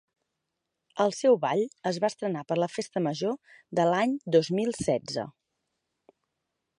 El seu ball es va estrenar per la Festa Major de l'any dos mil setze.